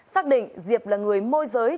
xác định diệp là người môi giới